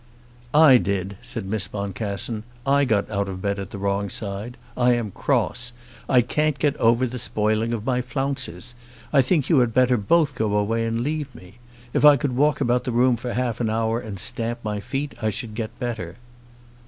"I did," said Miss Boncassen. "I got out of bed at the wrong side. I am cross. I can't get over the spoiling of my flounces. I think you had better both go away and leave me. If I could walk about the room for half an hour and stamp my feet, I should get better."